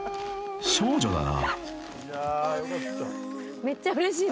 ［少女だな］